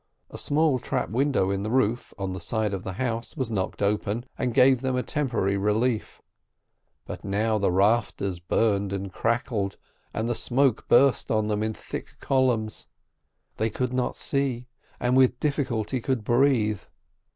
A small trap window in the roof on the side of the house was knocked open, and gave them a temporary relief; but now the rafters burned and crackled, and the smoke burst on them in thick columns. They could not see and with difficulty could breathe.